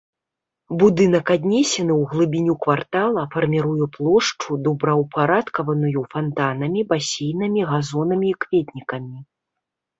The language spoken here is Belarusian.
Будынак аднесены ў глыбіню квартала, фарміруе плошчу, добраўпарадкаваную фантанамі, басейнамі, газонамі і кветнікамі.